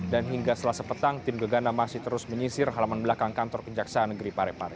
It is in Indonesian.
hingga selasa petang tim gegana masih terus menyisir halaman belakang kantor kejaksaan negeri parepare